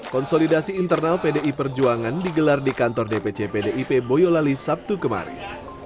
konsolidasi internal pdi perjuangan digelar di kantor dpc pdip boyolali sabtu kemarin